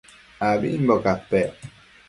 abimbo capec